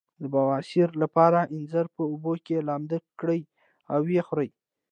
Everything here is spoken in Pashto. د بواسیر لپاره انځر په اوبو کې لمد کړئ او وخورئ